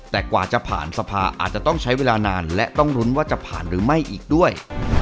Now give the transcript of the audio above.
แต่กว่าจะผ่านสภาอาจจะต้องใช้เวลานานและต้องลุ้นว่าจะผ่านหรือไม่อีกด้วย